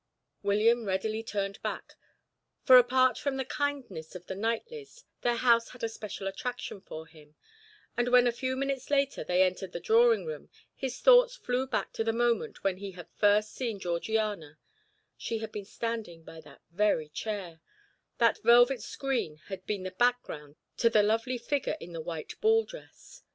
William readily turned back, for apart from the kindness of the Knightleys, their house had a special attraction for him; and when a few minutes later they entered the drawing room, his thoughts flew back to the moment when he had first seen Georgiana: she had been standing by that very chair, that velvet screen had been the background to the lovely figure in the white ball dress.